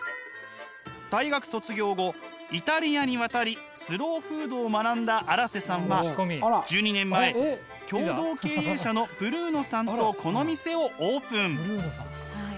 大学卒業後イタリアに渡りスローフードを学んだ荒瀬さんは１２年前共同経営者のブルーノさんとこの店をオープン。